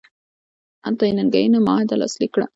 هلته یې ننګینه معاهده لاسلیک کړه.